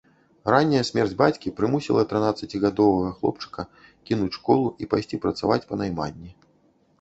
Ранняя смерць бацькі прымусіла трынаццацігадовага хлопчыка кінуць школу і пайсці працаваць па найманні.